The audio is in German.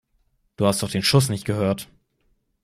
Du hast doch den Schuss nicht gehört!